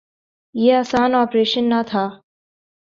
یہ آسان آپریشن نہ تھا۔